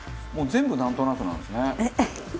もう全部なんとなくなんですね。